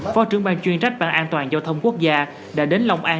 phó trưởng ban chuyên trách ban an toàn giao thông quốc gia đã đến long an